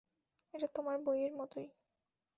এটা তোমার বইয়ের মতোই।